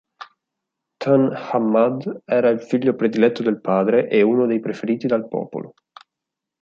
Tun Ahmad era il figlio prediletto del padre e uno dei preferiti dal popolo.